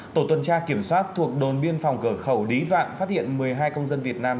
tổ tuần tra kiểm soát thuộc đồn biên phòng cửa khẩu lý vạn phát hiện một mươi hai công dân việt nam